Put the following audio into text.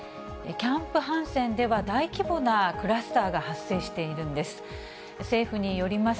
キャンプ・ハンセンでは大規模なクラスターが発生しているんです。